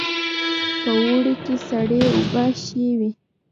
په اوړي کې سړې اوبه ښې وي